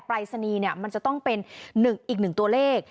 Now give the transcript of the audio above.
ปรายสนีย์เนี่ยมันจะต้องเป็นอีก๑ตัวเลข